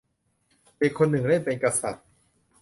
เด็กคนหนึ่งเล่นเป็นกษัตริย์